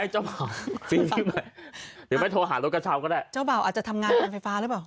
เจ้าบ่าวฟรีใช่ไหมหรือไม่โทรหารถกระเช้าก็ได้เจ้าบ่าวอาจจะทำงานการไฟฟ้าหรือเปล่า